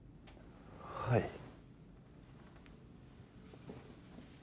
はい。